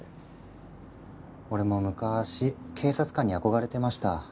俺も昔警察官に憧れてました。